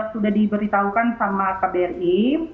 sudah diberitahukan sama kbri